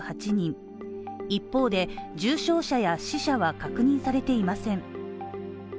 一方で、重症者や死者は確認されていません。